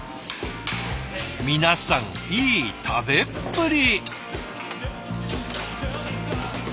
皆さんいい食べっぷり。